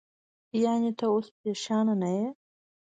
یعنې، ته اوس پرېشانه نه یې؟